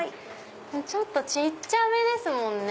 ちょっと小っちゃめですもんね。